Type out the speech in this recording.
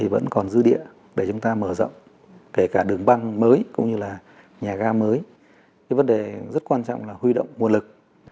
vấn đề rất quan trọng là huy động nguồn lực